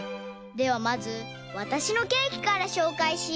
ではまずわたしのケーキからしょうかいしよう。